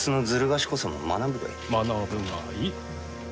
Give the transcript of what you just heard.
学ぶがいい。